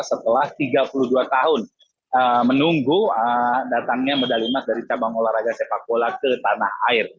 setelah tiga puluh dua tahun menunggu datangnya medali emas dari cabang olahraga sepak bola ke tanah air